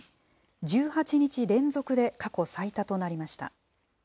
１８日連続で過去最多となりました。